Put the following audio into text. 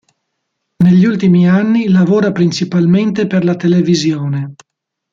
Negli ultimi anni lavora principalmente per la televisione.